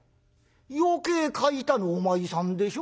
「余計欠いたのお前さんでしょ？